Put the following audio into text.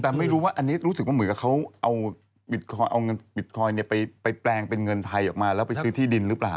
แต่ไม่รู้ว่าอันนี้รู้สึกว่าเหมือนกับเขาเอาเงินบิตคอยน์ไปแปลงเป็นเงินไทยออกมาแล้วไปซื้อที่ดินหรือเปล่า